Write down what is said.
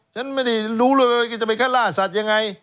ฉันไม่ได้รู้เลยแกจะไปฆ่าล่าสัตว์ยังไง